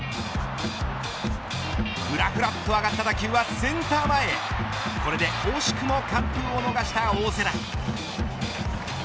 ふらふらっと上がった打球はセンター前へこれで惜しくも完封を逃した大瀬良。